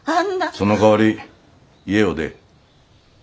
そのかわり家を出え。